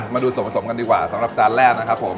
มาดูส่วนผสมกันดีกว่าสำหรับจานแรกนะครับผม